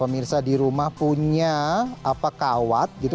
pemirsa di rumah punya kawat gitu